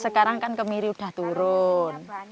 sekarang kan kemiri udah turun